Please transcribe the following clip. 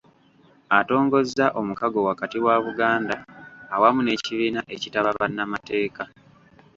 Atongozza omukago wakati wa Buganda awamu n’ekibiina ekitaba bannamateeka